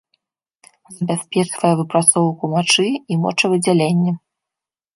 Забяспечвае выпрацоўку мачы і мочавыдзяленне.